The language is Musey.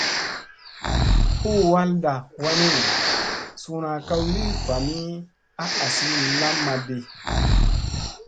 Hu halɗa wanni, suuna ka wi vami a asi lamma di.